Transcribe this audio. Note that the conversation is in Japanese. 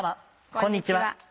こんにちは。